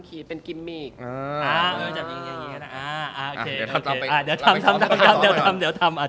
สิ่งที่ที่เราต้องทำ